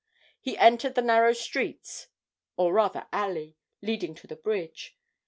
He entered the narrow street, or rather alley, leading to the bridge.